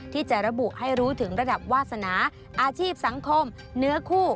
ที่จะระบุให้รู้ถึงระดับวาสนาอาชีพสังคมเนื้อคู่